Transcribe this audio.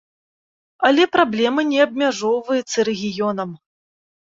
Але праблема не абмяжоўваецца рэгіёнам.